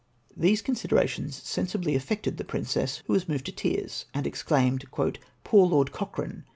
These considerations sensibly affected the princess, who was moved to tears, and exclaimed :" Poor Lord Cochrane